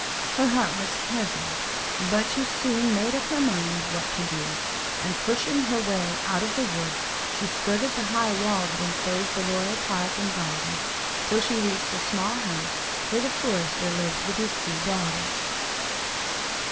Her heart was heavy, but she soon made up her mind what to do, and pushing her way out of the wood, she skirted the high wall that enclosed the royal park and gardens, till she reached a small house where the forester lived with his two daughters.